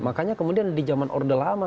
makanya kemudian di zaman orde lama